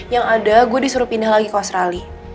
yang ada gue disuruh pindah lagi ke australia